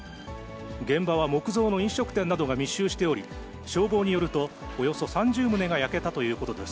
現場は木造の飲食店などが密集しており、消防によると、およそ３０棟が焼けたということです。